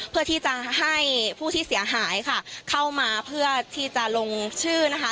เพื่อที่จะให้ผู้ที่เสียหายค่ะเข้ามาเพื่อที่จะลงชื่อนะคะ